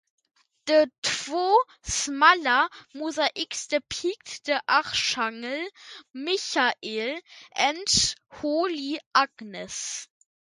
The two smaller mosaics depict the Archangel Michael and Holy Agnes.